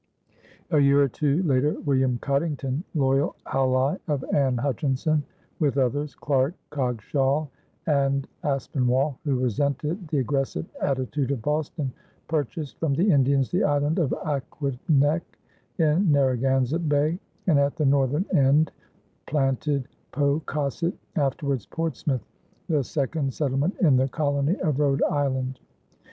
A year or two later William Coddington, loyal ally of Anne Hutchinson, with others Clarke, Coggeshall, and Aspinwall, who resented the aggressive attitude of Boston purchased from the Indians the island of Aquidneck in Narragansett Bay and at the northern end planted Pocasset, afterwards Portsmouth, the second settlement in the colony of Rhode Island.